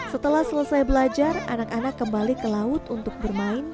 setelah selesai belajar anak anak kembali ke laut untuk bermain